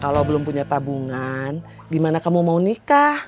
kalau belum punya tabungan gimana kamu mau nikah